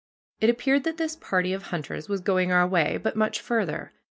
It appeared that this party of hunters was going our way, but much farther.